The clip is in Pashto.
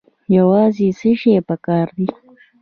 یوازې څه شی پکار دی؟